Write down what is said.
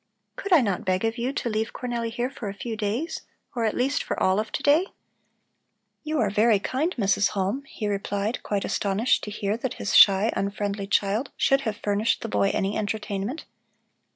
Could I not beg of you to leave Cornelli here for a few days, or at least for all of to day?" "You are very kind, Mrs. Halm," he replied, quite astonished to hear that his shy, unfriendly child should have furnished the boy any entertainment.